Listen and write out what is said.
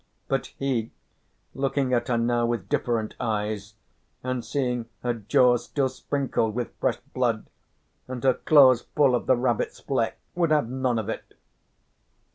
But he, looking at her now with different eyes, and seeing her jaws still sprinkled with fresh blood and her claws full of the rabbit's fleck, would have none of it.